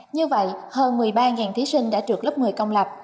như vậy hơn một mươi ba thí sinh đã trượt lớp một mươi công lập